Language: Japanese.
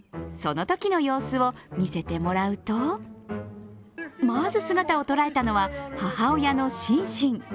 そのときの様子を見せてもらうとまず姿を捉えたのは母親のシンシン。